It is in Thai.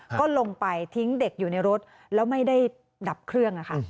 ก็ลงไปทิ้งเด็กอยู่ในรถแล้วไม่ได้ดับเครื่อง